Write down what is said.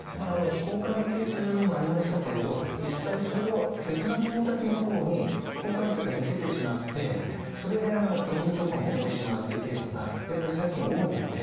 非公開のケースもありましたけれど実際それを別な友達のほうに公開して見せてしまってそれで個人情報が漏れてしまうというケースがやっぱり最近多いので。